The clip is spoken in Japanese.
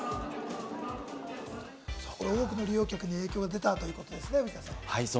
多くの利用客に影響が出たということですね。